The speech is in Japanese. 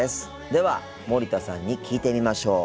では森田さんに聞いてみましょう。